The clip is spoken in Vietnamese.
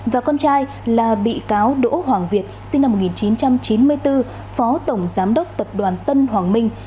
và con trai là bị cáo đỗ hoàng việt sinh năm một nghìn chín trăm chín mươi bốn phó tổng giám đốc tập đoàn tân hoàng minh